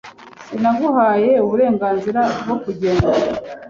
Sinaguhaye uburenganzira bwo kugenda.